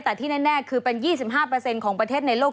แต่ที่แน่คือเป็น๒๕ของประเทศในโลก